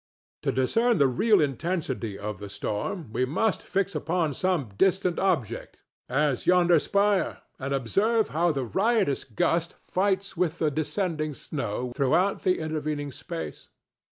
To discern the real intensity of the storm, we must fix upon some distant object—as yonder spire—and observe how the riotous gust fights with the descending snow throughout the intervening space.